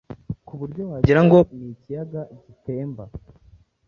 ku buryo wagirango ni ikiyaga gitemba.